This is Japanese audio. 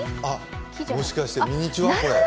もしかしてミニチュア？